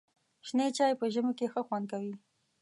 شنې چای په ژمي کې ښه خوند کوي.